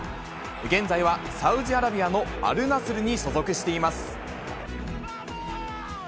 現在はサウジアラビアのアルナスルに所属しています。